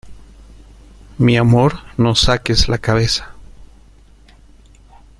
mi amor, no saques la cabeza.